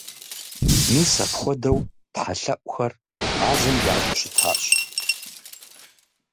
Мис апхуэдэу тхьэлъэӀухэр мы мазэм ящӀыу щытащ.